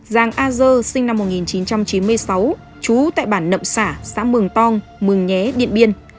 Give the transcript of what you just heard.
giàng a dơ sinh năm một nghìn chín trăm chín mươi sáu chú tại bản nậm xã xã mường tong mường nhé điện biên